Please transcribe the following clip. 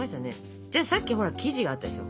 じゃあさっきほら生地があったでしょ。